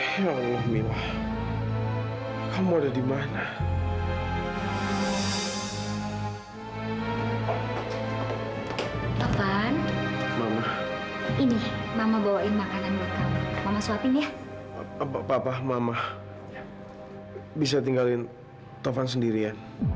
yaudah kalau gitu aku mau pergi sama kava ya